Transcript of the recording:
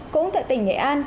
cũng tại tỉnh nghệ an